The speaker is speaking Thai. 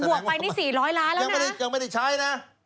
ว่าไปนี่๔๐๐ล้านแล้วนะแสดงว่ายังไม่ได้ใช้นะ